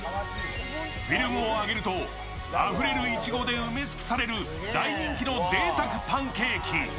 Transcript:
フィルムを上げるとあふれるいちごで埋め尽くされる大人気のぜいたくパンケーキ。